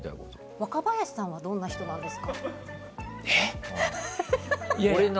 若林さんはどんな人ですか？